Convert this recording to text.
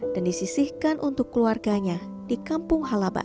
dan disisihkan untuk keluarganya di kampung halaban